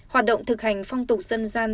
hoạt động thực hành phong tục dân gian